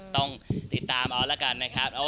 ต้องติดตามเอาละกันนะครับ